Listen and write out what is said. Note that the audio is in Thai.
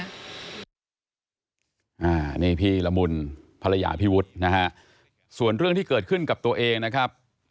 อันนี้พี่ละมุนภรรยาพี่วุฒินะฮะส่วนเรื่องที่เกิดขึ้นกับตัวเองนะครับ